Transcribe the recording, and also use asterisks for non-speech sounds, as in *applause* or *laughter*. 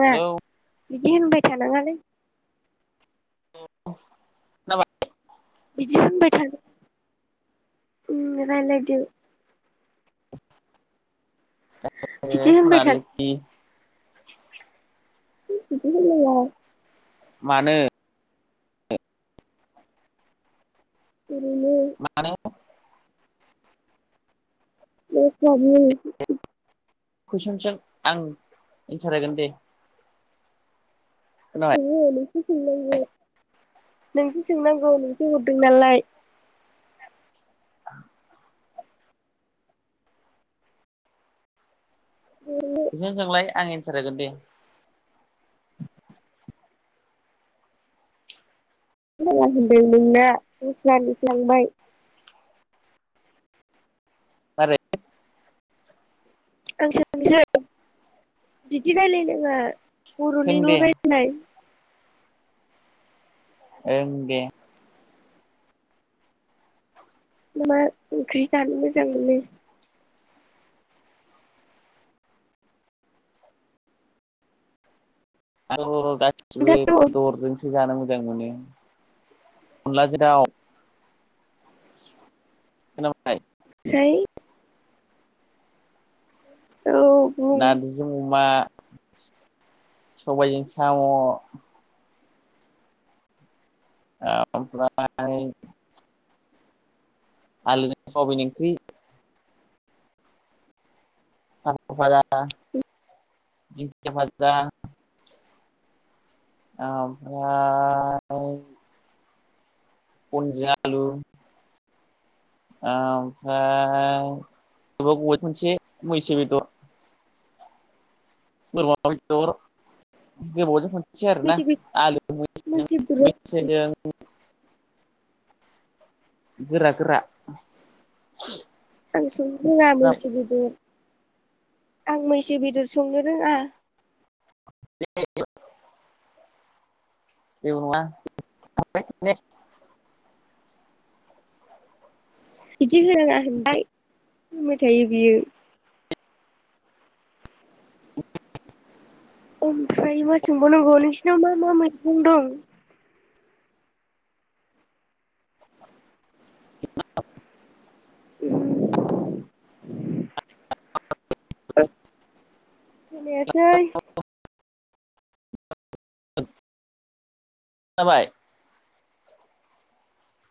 ना हेलौ बिदि होनबाय थानाङालै खोनाबाय बिदि होनबाय थादों राय्लायदो ए बिदि आंनि होनबाय सना थानो लोखि बिदि होननां आ मानो ओरैनो मानो? *unintelligible* कुइसनजों आं एनसारहोगोन दे खोनाबाय नों सोंनांगौ नोंसो हरदों नालाय जोंलाय आं एन्सार होगोन दे *unintelligible* नोंना जारलिस लांबाय मारै आंसो आंसो बिदि राय्लायनाङा सों बर'निल' दे रायलाय ओं दे *inaudible* मा ओंख्रि जानो मोजां मोनो? आं हर' खोन्थाद' गासिबो दरजोंसो जानो मोजां मोनो अनलाजों दाव ओमफ्राय खोनाबाय? औ बुं नार्जिजों अमा सबाय जों साम' *unintelligible* आलुजों सयाबिन इंख्रि *inaudible* दिंखिया फाजा ओमफ्राय *inaudible* आलु ओम ओ *inaudible* मैसो बेदर *unintelligible* दर गोबावजों ख'नसे आरो ना मैसो आलु मैसो बेदर *inaudible* मैसोजों गोरा गोरा आं संरोंआ मैसो जेबो बेदर आं मैसो बेदर संनो रोङा *unintelligible* जेबो नङा *inaudible* बिदि होनो नाङा होनबाय होनबाय थायो बियो ओमफ्राय मा सोंबाव नांगौ नोंसिनाव मा मा मैगं दं? *unintelligible* *inaudible* खोनायासै? *inaudible* *unintelligible*